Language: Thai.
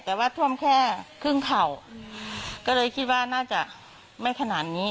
แต่ว่าท่วมแค่ครึ่งเข่าก็เลยคิดว่าน่าจะไม่ขนาดนี้